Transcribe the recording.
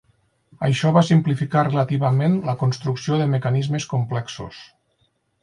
Això va simplificar relativament la construcció de mecanismes complexos.